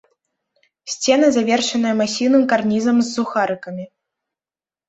Сцены завершаныя масіўным карнізам з сухарыкамі.